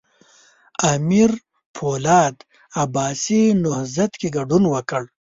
امیر پولاد عباسي نهضت کې ګډون وکړ.